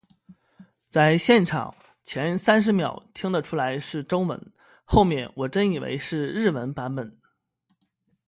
在现场，前三十秒听得出来是中文，后面我真以为是日文版本的